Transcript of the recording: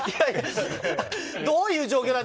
どういう状況なの？